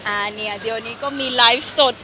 อันนี้เดี๋ยวนี้ก็มีไลฟ์สด